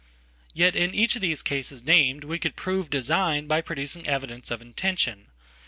Yet in each of these cases named we could prove design byproducing evidence of intention.